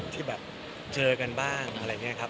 ที่แบบเจอกันบ้างอะไรนะครับ